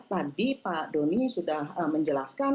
tadi pak doni sudah menjelaskan